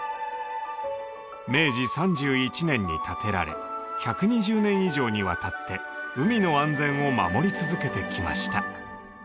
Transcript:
明治３１年に建てられ１２０年以上にわたって海の安全を守り続けてきました。